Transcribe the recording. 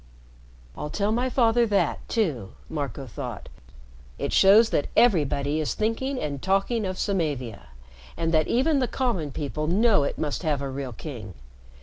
"I'll tell my father that too," Marco thought. "It shows that everybody is thinking and talking of Samavia, and that even the common people know it must have a real king.